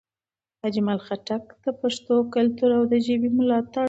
اجمل خټک د پښتنو کلتور او ژبې ملاتړ وکړ.